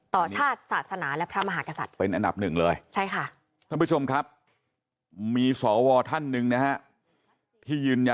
ต่อชาติศาสนาและพระมหากษัตริย์